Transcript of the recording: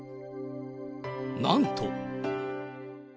なんと。